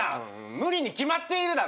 無理に決まっているだろ！